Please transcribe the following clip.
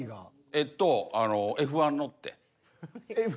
えっとＦ−１乗って？